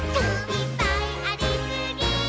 「いっぱいありすぎー！！」